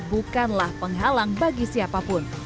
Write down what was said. bukanlah penghalang bagi siapapun